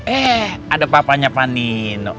eh ada papanya pak nino